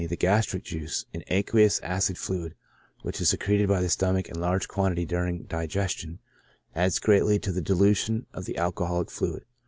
The gastric juice, an aqueous acid fluid, which is secreted by the stomach in large quantity during digestion, adds greatly to the dilution of the alcohoUc fluid.